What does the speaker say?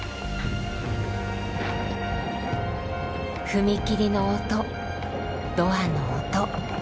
踏切の音ドアの音。